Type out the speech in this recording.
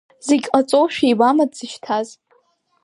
Зегь ҟаҵоушәа ибама дзышьҭаз?